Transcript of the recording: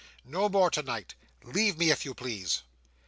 "No more tonight. Leave me, if you please."